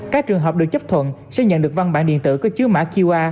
các trường hợp được chấp thuận sẽ nhận được văn bản điện tử có chứa mã qr